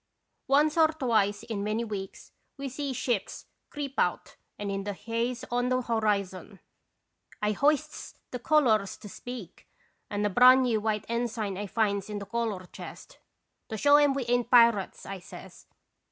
Once or twice in many weeks we see ships creep out and in the haze on the horizon. I hoists the colors 'To Speak ' and a brand new white ensign I finds in the color chest. "'To show 'em we ain't pirates,' I says.